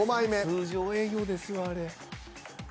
通常営業ですわあれ。